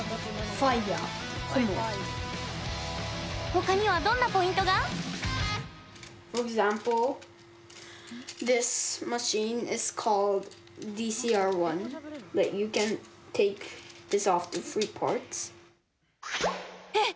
ほかには、どんなポイントが？え！